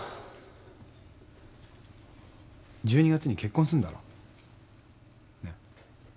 １２月に結婚するんだろ？ねぇ？